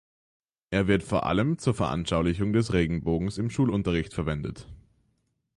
Er wird vor allem zur Veranschaulichung des Regenbogens im Schulunterricht verwendet.